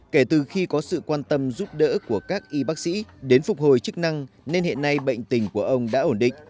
kể từ khi có sự quan tâm giúp đỡ của các y bác sĩ đến phục hồi chức năng nên hiện nay bệnh tình của ông đã ổn định